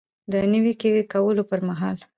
د نیوکې کولو پر مهال